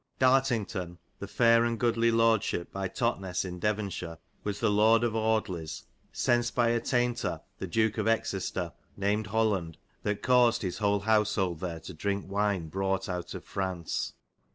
Dartyngton, the fayre and goodly lordshipe by Totnes in Devonshire, was the Lorde of Audleys, sens by attayntur the Doke of Excester, namyd Holland, that cawsyd his hole howsholde there to drinke wyne browght out of Fraunce.